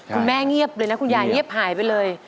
เงียบเลยนะคุณยายเงียบหายไปเลย